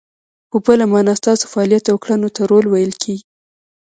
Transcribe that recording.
په بله مانا، ستاسو فعالیت او کړنو ته رول ویل کیږي.